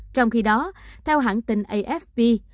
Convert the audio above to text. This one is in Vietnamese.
trong khi đó theo hãng tin afp